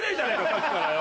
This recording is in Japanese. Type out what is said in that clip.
さっきからよ。